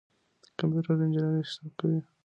کمپيوټر انجنيري حساب کوي.